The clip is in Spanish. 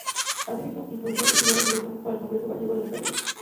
Asimismo, impulsó y presidió la Asociación para el Congreso Gallego de la Calidad.